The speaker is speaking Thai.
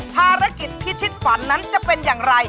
ภารกิจพิชิตฝันนั้นจะเป็นอย่างไร